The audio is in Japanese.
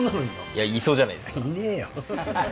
いやいそうじゃないですか。